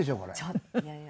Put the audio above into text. ちょっといやいや。